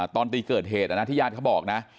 ตอนตีเกิดเหตุที่ญาติเขาบอกนะ